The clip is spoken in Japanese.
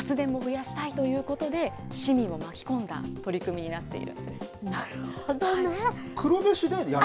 発電も増やしたいということで、市民を巻き込んだ取り組みになっなるほどね。